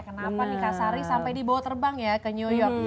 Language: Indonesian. kenapa nih kak sari sampai dibawa terbang ya ke new york